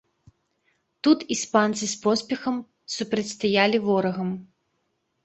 Тут іспанцы з поспехам супрацьстаялі ворагам.